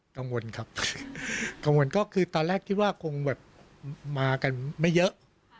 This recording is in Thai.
กังวลครับกังวลก็คือตอนแรกคิดว่าคงแบบมากันไม่เยอะ